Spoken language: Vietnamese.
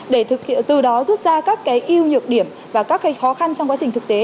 để từ đó rút ra các cái ưu nhược điểm và các cái khó khăn trong quá trình thực tế